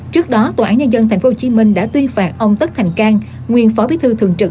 trước đó tòa án nhân dân tp hcm đã tuyên phạt ông tất thành cang nguyên phó bí thư thường trực